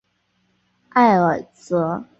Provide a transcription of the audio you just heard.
埃尔泽。